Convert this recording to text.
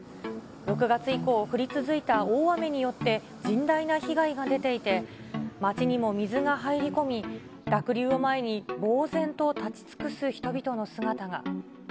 ６月以降降り続いた大雨によって、甚大な被害が出ていて、町にも水が入り込み、濁流を前にぼう然と立ち尽くす人々の姿が。